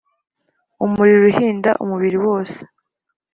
Umuriro uhinda umubiri wose.